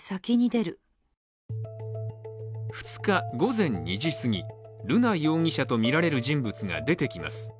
２日、午前２時すぎ、瑠奈容疑者とみられる人物が出てきます。